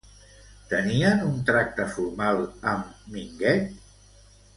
Tenien un tracte formal amb Minguet?